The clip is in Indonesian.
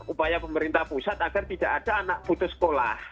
upaya pemerintah pusat agar tidak ada anak putus sekolah